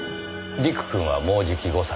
陸くんはもうじき５歳。